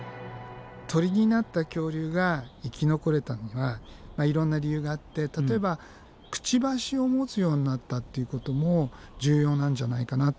鳥になった恐竜が生き残れたのにはいろんな理由があって例えばくちばしを持つようになったっていうことも重要なんじゃないかなっていわれてるんだよね。